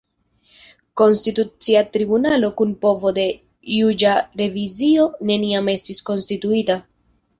Konstitucia Tribunalo kun povo de juĝa revizio neniam estis konstituita.